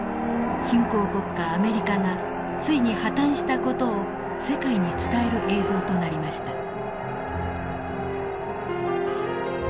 新興国家アメリカがついに破綻した事を世界に伝える映像となりました。